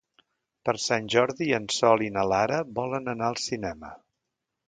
Per Sant Jordi en Sol i na Lara volen anar al cinema.